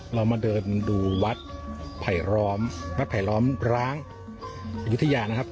เรามาเดินดูวัดไผลล้อมวัดไผลล้อมร้างอายุทยานะครับ